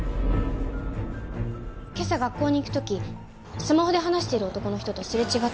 今朝学校に行く時スマホで話している男の人とすれ違って。